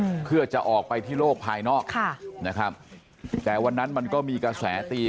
อืมเพื่อจะออกไปที่โลกภายนอกค่ะนะครับแต่วันนั้นมันก็มีกระแสตี